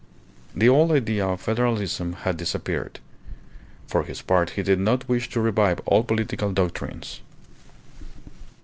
The old idea of Federalism had disappeared. For his part he did not wish to revive old political doctrines.